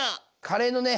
カレーのね